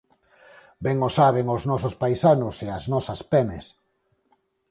Ben o saben os nosos paisanos e as nosas pemes.